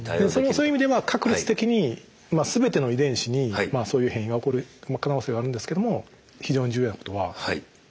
そういう意味では確率的に全ての遺伝子にそういう変異が起こる可能性はあるんですけども非常に重要なことはアクセル